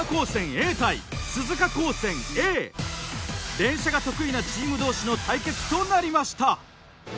連射が得意なチーム同士の対決となりました。